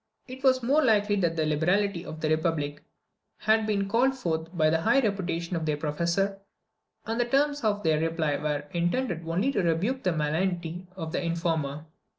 It is more likely that the liberality of the republic had been called forth by the high reputation of their professor, and that the terms of their reply were intended only to rebuke the malignity of the informer.